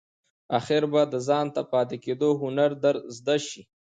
آخیر به د ځانته پاتې کېدو هنر در زده شي !